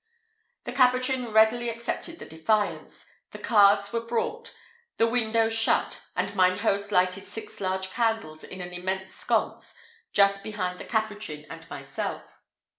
The Capuchin readily accepted the defiance; the cards were brought, the window shut, and mine host lighted six large candles in an immense sconce, just behind the Capuchin and myself.